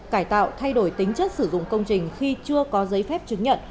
cải tạo thay đổi tính chất sử dụng công trình khi chưa có giấy phép chứng nhận